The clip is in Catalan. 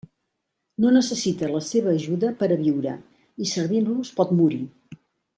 No necessita la seva ajuda per a viure, i servint-los pot morir.